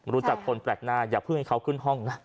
รู้จักคนแปลกหน้าอย่าเพิ่งให้เขาขึ้นห้องนะ